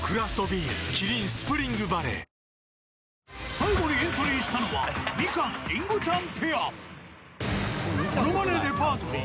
最後にエントリーしたのはみかん＆りんごちゃんペアものまねレパートリー